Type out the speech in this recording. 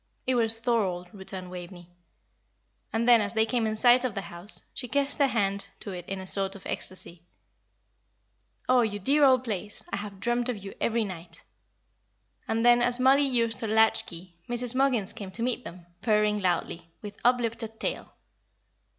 "It was Thorold," returned Waveney. And then, as they came in sight of the house, she kissed her hand to it in a sort of ecstasy. "Oh, you dear old place, I have dreamt of you every night!" And then, as Mollie used her latch key, Mrs. Muggins came to meet them, purring loudly, with uplifted tail.